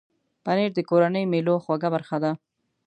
پنېر د کورنۍ مېلو خوږه برخه ده.